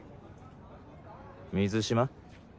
水嶋？